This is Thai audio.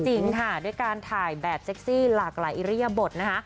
จริงค่ะด้วยการถ่ายแบบเซ็กซี่หลากหลายอิริยบทนะคะ